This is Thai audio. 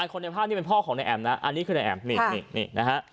คนในภาพนี้เป็นพ่อของนายแอมนะอันนี้คือนายแอมนี่นี่นะฮะ